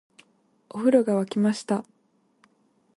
お風呂が湧きました